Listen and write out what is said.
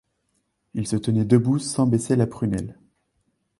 Il se tenait debout sans baisser la prunelle